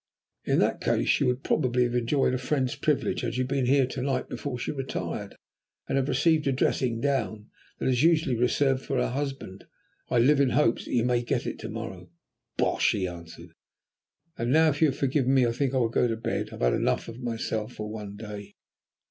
"In that case you would probably have enjoyed a friend's privilege, had you been here to night before she retired, and have received a dressing down that is usually reserved for her husband. I live in hopes that you may get it to morrow." "Bosh!" he answered. "And now, if you have forgiven me, I think I will go to bed. I've had enough of myself for one day."